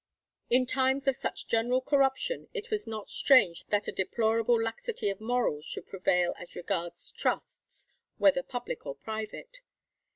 In times of such general corruption it was not strange that a deplorable laxity of morals should prevail as regards trusts, whether public or private.